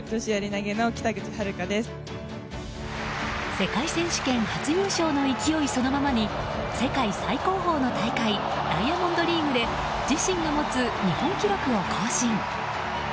世界選手権初優勝の勢いそのままに世界最高峰の大会ダイヤモンドリーグで自身が持つ日本記録を更新。